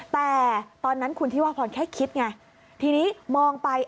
แต่ตอนนั้นคุณธิวาพรแค่คิดไงทีนี้มองไป